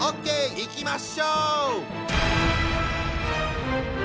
いきましょう！